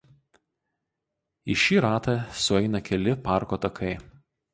Į šį ratą sueina keli parko takai.